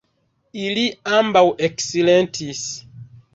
Ili ambaŭ eksilentis.